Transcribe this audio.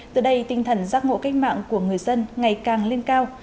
từ đây tinh thần giác ngộ cách mạng của người dân ngày càng lên cao